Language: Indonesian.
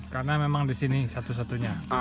karena memang di sini satu satunya